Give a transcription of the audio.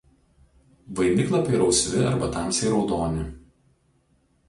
Vainiklapiai rausvi arba tamsiai raudoni.